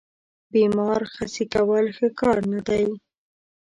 بیمار خسي کول ښه کار نه دی.